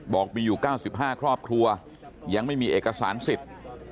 บอกมีอยู่๙๕ครอบครัวยังไม่มีเอกสารสิทธิ์